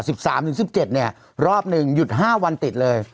สิบสามถึงสิบเจ็ดเนี่ยรอบหนึ่งหยุดห้าวันติดเลย